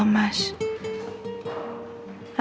terima kasih ya allah